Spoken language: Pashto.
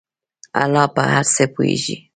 الله په هر څه پوهیږي.